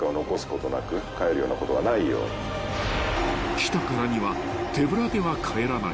［来たからには手ぶらでは帰らない］